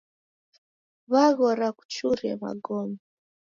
W'aghora kuchurie magome.